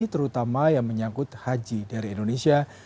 terutama yang menyangkut haji dari indonesia